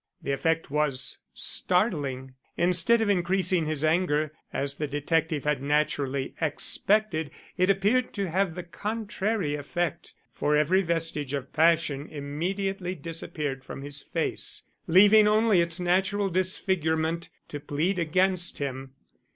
The effect was startling. Instead of increasing his anger, as the detective had naturally expected, it appeared to have the contrary effect, for every vestige of passion immediately disappeared from his face, leaving only its natural disfigurement to plead against him.